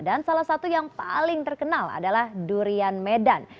dan salah satu yang paling terkenal adalah durian medan